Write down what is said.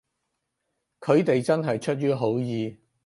佢哋係真係出於好意